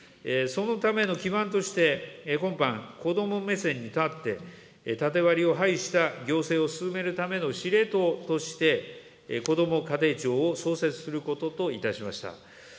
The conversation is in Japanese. そのための基盤として、今般、子ども目線に立って、縦割りを排した行政を進めるための司令塔として、こども家庭庁を創設することといたしました。